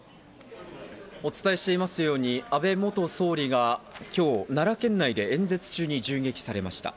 お伝えしてますように安倍元総理が今日奈良県内で演説中に銃撃されました。